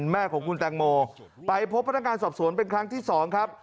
แม่ของคุณแตงโมไปพบพนักงานสอบสวนเป็นครั้งที่๒ครับ